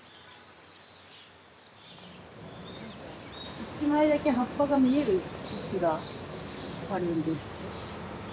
１枚だけ葉っぱが見える位置があるんです。